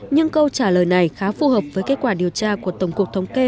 nhưng câu trả lời này khá phù hợp với kết quả điều tra của tổng cục thống kê